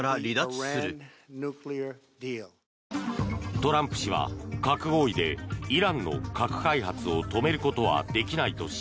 トランプ氏は核合意でイランの核開発を止めることはできないとし